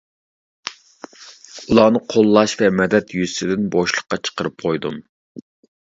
ئۇلارنى قوللاش ۋە مەدەت يۈزىسىدىن بوشلۇققا چىقىرىپ قويدۇم.